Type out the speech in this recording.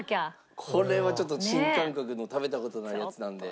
これはちょっと新感覚の食べた事ないやつなんで。